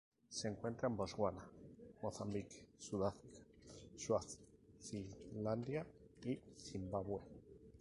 Se encuentra en Botsuana, Mozambique, Sudáfrica, Suazilandia y Zimbabue.